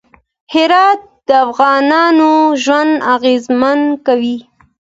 هرات د افغانانو ژوند اغېزمن کوي.